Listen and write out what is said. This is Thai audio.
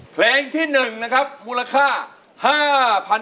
เพลงที่๑นะครับมูลค่า